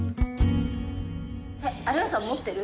有吉さん持ってる？